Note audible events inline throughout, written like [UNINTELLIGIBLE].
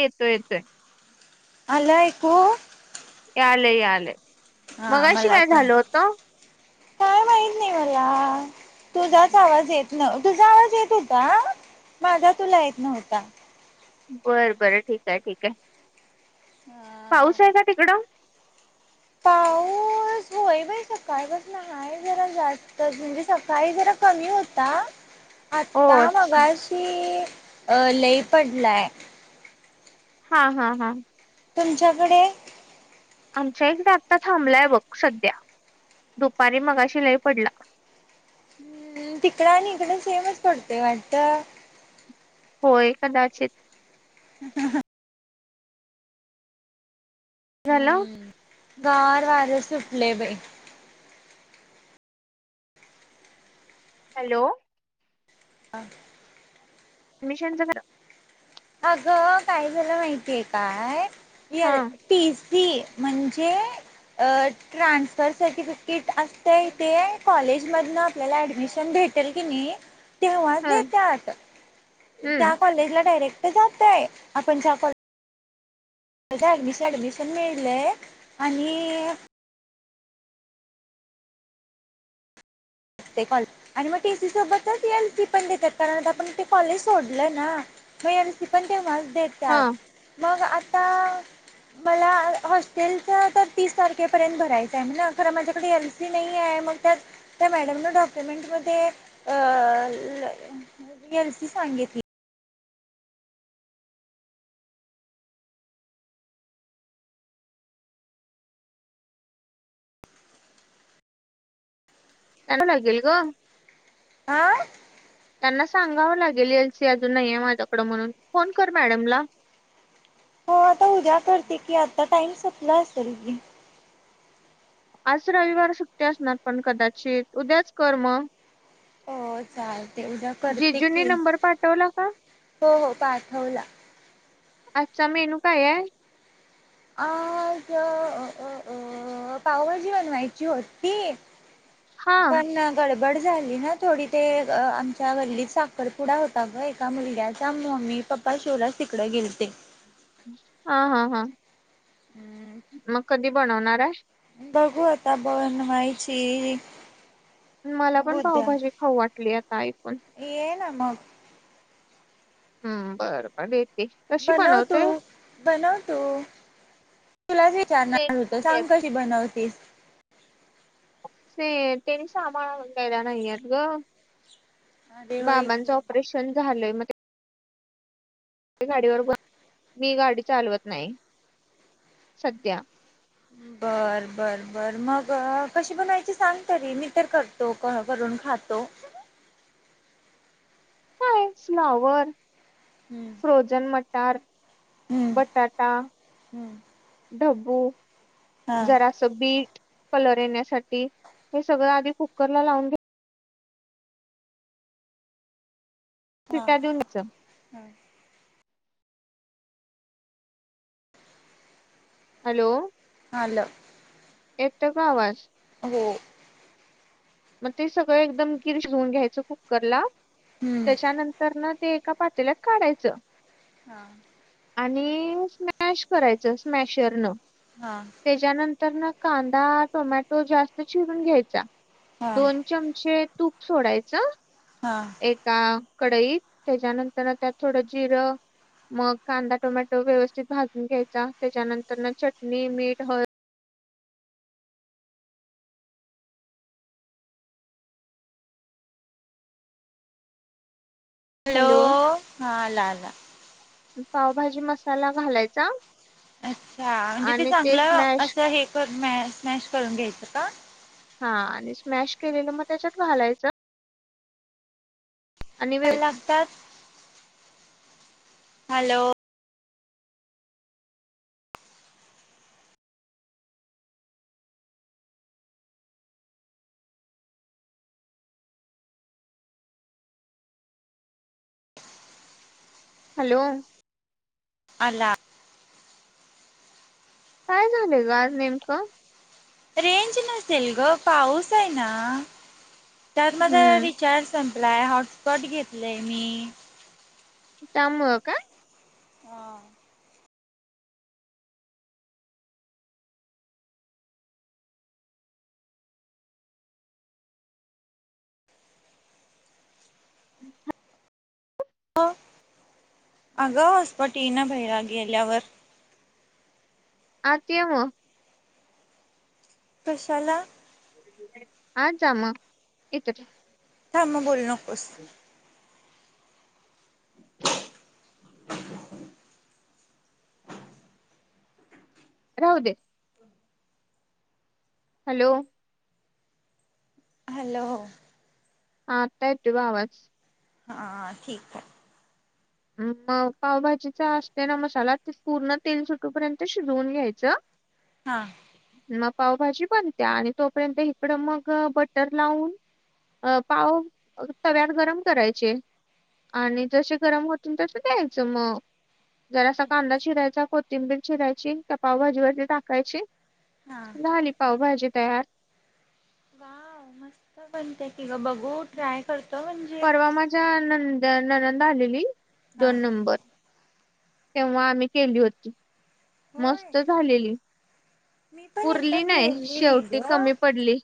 येतो येतोय हला आहेकू याल याल हा मगशी मला काय झाल होत म नाही वला तुझाच आवाज येत न तुझा आवाज येत होता माझा तुला येत न्हता बरं बरं ठीक आहे ठीक आहे हा पाऊस आहे का तिकडं [UNINTELLIGIBLE] हो वय बा का सकाळपसून आहेा जरा जास्तच म्हणजे सकाळी जरा कमी होता हो आता अच्छा मगाशी अ लई पडलाय हा हा हा तुमच्याकडे आमचा एक ाकट थांबलाय बघ सध्या दुपारी मगा शिलाई पडला हम् तिकडं आणि इकडं सेमच पडते वाटत होय कदाचित ह ह हॅलो हम्म गार वारे सुटले बाई हॅलो हां ॲडिशनर अगं काय झालं माहितीय काय यल हा तीस ती म्हणजे ट्रान्सफर सर्टिफिकेट असतं ते कॉलेजमधनं आपल्याला ॲडमिशन भेट तेल कनी तेव्हा ह देतात हम्म त्या कॉलेजला डायरेक्ट जातय आपण ज कॉ ॲडमिशन ॲडमिशन मिेळले आणि ॉ आणि मग टीसी सोबतच एल सी पण देतात कारण आ आपण ते कॉलेज सोडलं ना मग या लसी पण तेव्हाच हा देतात मग आता मला हॉस्टेलच तर तीस तारखेपर्यंत भरायचं आहे म्हणजे खरं माझ्याकडे एल नाही मग त्या वन्यू डॉक्यमेंट मल सी सांगली त्याला लागेल ग आं त्यांना सांगावं लागेल एलसी अजून नाही आहे माझ्याकडं म्हणून फोन कर मॅडमला हो आता उद्या करते की आता टाइम सपला असत र आज रविवार सुट्ट असणार पण कदाचित उद्याच कर म हो चालते उद्या करते जीजूनी की नंबर पाठवला का? हो हो पाठवला अच्ा मेनू काय आहे आज अं अं अं पावभाजी बनवायची होती. हा पण गडबड झाली ना थोडी ते अ आमच्या गल्लीत साखरपुडा होता ग एका मुलग्याचा मम्मी पप काल शोलाच तिकडें गेलते. हा हा हा हम्म मग कधी बनवणार हाय. बघू आता बनवायची. मला पण उद्या पावभाजी खाऊ वाटली आता ऐकून ये ना मग हम्म बरं बरं येते. कशी बनव तू बनवते बनव तू तुलाच ते विचारणार होते नाहीयेत सांग क किती बनवतीस. ते तेनी सामान आणून द्यायला नाहीयेत गं. अरे होय बाबांच की. ऑपरेशन झालंय म ते गाडीवर ब मी गाडी चालवत नाही सध्या बर बर बर मग कशी बनवायची सांग तरी मी तर क तो क करून खातो. काय हे फ्लावर हम्म फ्रोजन मटार, हम्म. बटाटा, हम्म. ढब्बू हा. जरासं बीट कलर येण्यासाठी हे सगळं आधी कुकर ला लावून घे. शिट्ट्या देऊन च ह हॅलो आलं येतोय का आवाज हो मग ते सगळं एकदम गिर शिजवून घ्यायचं कुकर ला हम्म. त्याच्यानंत तर ना ते एका पातेल्यात काढायचं. हा आणि स्मॅश करायचं स्मॅशरनं. हा त्याच्यानंतर ना कांदा टोमॅटो जास्त चिरून घ्यायचा. हा. दोन चमचे तूप सोडायचं. हा एका कढईत त्याच्यानंतर त्यात थोडं जिरं मग कांदा टोमॅटो व्यवस्थित भाजून घ्यायचा त्याच्यानंतर न चटणी मीठ हळ हॅलो हा आला आला. पावभाजी मसाला घालायचा. अच्छा म्हणजे ते आणि चांगलं स्मॅश असं हे कर मॅश मॅश करून घ्यायचं का? हा आणि स्मॅश केलेलं मग त्याच्यात घालायचं. आणि काय वेळच लागत्यात? हॅलो हॅलो आला काय झालेल ग आज नेमकं? रेंज नसेल ग पाऊस आहे ना तर मग हम्म रिचार्ज संपलाय हॉटसस्पॉट घेतलेय मी त्यामुळं का? हा ह अगं हस्पटीन भेला गेल्यावर अ ते म कशाला आ जाम येत र हां मग बोलू नकोस हो [UNINTELLIGIBLE] राहू दे. हम. हॅलो. हॅलो. आता येतोय ब आवाज. हा ठीक आहे. मग पावभाजीचा असते ना मसाला ते पूर्ण तेल सुटूपर्यंत शिजवून घ्यायचं. [UNINTELLIGIBLE] हा मग पावभाजी बणते्या आणि तोपर्यंत इकडं मग बटर लावून. अ पाव तव्यात गरम करायचे आणि जसे गरम हो तस द्यायचं मग जर असा कांदा शिरायचा िंबि शिरायची त्या पावभाजी वती टाकायची हा झाली पावभाजी तयार वा मस्त बनते कि ग बघू ट्राय करते परवा माझ्या नंद ननंद आलेली हा दोन नंबर. तेव्हा आम्ही केली होती. होय मस्त झालेली मी पण एकदा पुरली नाही केलेली शेवटी ग कमी पडली.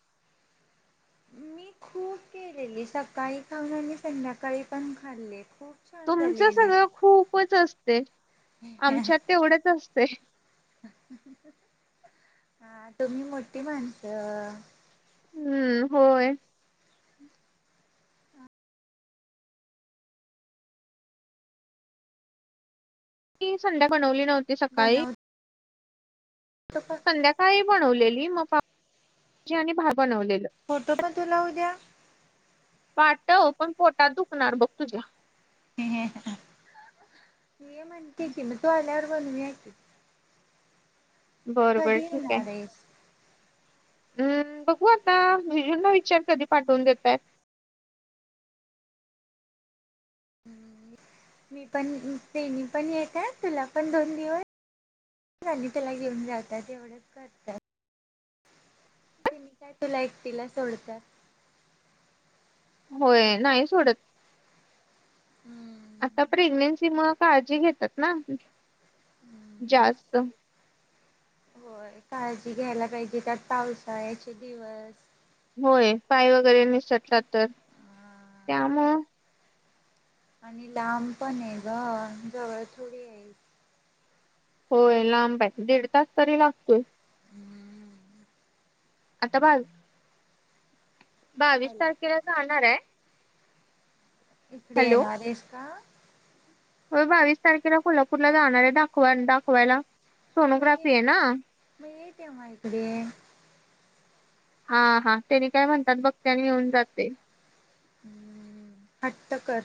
मी खूप केलेली सकाळी खाऊन आणि संध्याकाळी पण खाल्ले खूप. छान तुमचं झालेली सगळं खूपच असते आमच्यात तेवढेच असते. हा तुम्ही मोठी माणसं. हम्म होय. ती संध्या बनवली नव्हती सकाळी. त [UNINTELLIGIBLE] संध्याकाळी बनवलेली मग पाव आणि भात बनवलेलं फोटो पण तुला उद्या पाटव पण पोटात दुखणार बघ तुझ्या. ह ह ह नये मण्टे म तू आल्यावर बन्यूयाकी. बरं बरं कधी ठीक आहे. येणार आहेस हम्म बघू आता जिजू णा विचार कधी पाठवून देतय. मी पण प्रेणी पण येत आहे तुला पण दोन दिवस त्याला घेऊन जातात एवढंच करतात. मी काय तुला एकटिला सोडत. होय नाही सोडत आता प्रेग्नेन्सी मग काळजी घेतात ना जास्त. होय काळजी घ्यायला पाहिजे त्यात पावसाळ्याचे दिवस. होय पाय वगैरे मिसटला तर त्यामुळ. आणि लांब पण आहे ग जवळ थोडी आहे. होय लांब आहे दीड तास तरी लागतोय. हम्म. आता बाल बावीस हॅल तारखेला जाणार आहे. इकडे ये न र एसका. हो बावीस तारखेला कोल्हापूरला जाणार आहे दाखवा दाखवायला मग ये सोनोग्राफी आहे ना. मग येतव्हा इकडे. हा हा त्याने काय म्हणतात बघतनी येऊन जाते. हम्म हट्ट कर.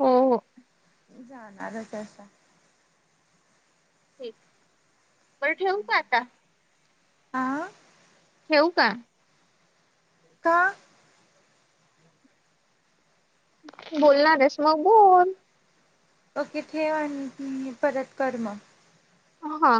हो. जाणारच असा. ठीक बर ठेवू का आता. आ. ठेऊ का का? बोलणार रेश म बोल. ओके ठेव आणिी परत कर मग ह हा